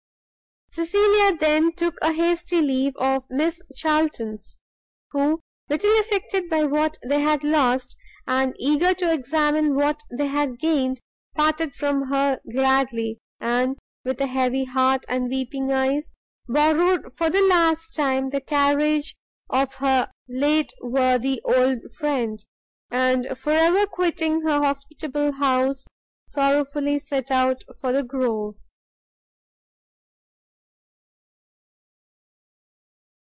Cecilia then took a hasty leave of Miss Charltons, who, little affected by what they had lost, and eager to examine what they had gained, parted from her gladly, and, with a heavy heart and weeping eyes, borrowed for the last time the carriage of her late worthy old friend, and for ever quitting her hospitable house, sorrowfully set out for the Grove.